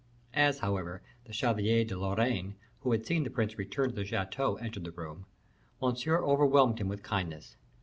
As, however, the Chevalier de Lorraine, who had seen the prince return to the chateau, entered the room, Monsieur overwhelmed him with kindness.